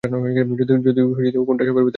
যদি কোনটা শপের ভেতরে ঢুকে পরে!